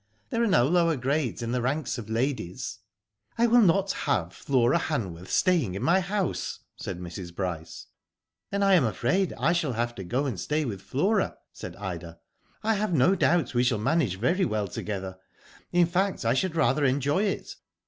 There are no lower grades in the ranks of ladies." '* I will not have Flora Hanworth staying in my house," said Mrs. Bryce. "Then I am afraid I shall have to go and stay with Flora," said Ida. " I have no doubt we shall manage very well together. In fact I should rather enjoy it."